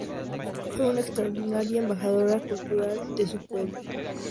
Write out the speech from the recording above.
Fue una extraordinaria embajadora cultural de su pueblo.